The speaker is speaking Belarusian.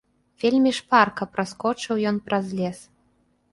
Вельмі шпарка праскочыў ён праз лес.